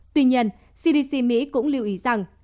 tuy nhiên cdc mỹ cũng lưu ý rằng